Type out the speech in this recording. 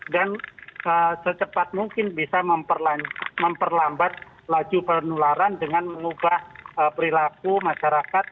dan secepat mungkin bisa memperlambat laju penularan dengan mengubah perilaku masyarakat